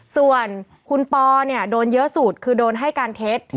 ส่วนคุณปอเนี่ยโดนเยอะสุดคือโดนให้การเท็จ